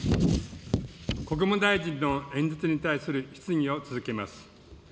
国務大臣の演説に対する質疑を続けます。